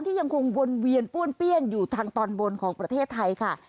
ยังคงวนเวียนป้วนเปี้ยนอยู่ทางตอนบนของประเทศไทยค่ะ